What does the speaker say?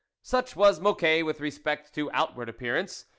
Such was Mocquet with respect to out ward appearance.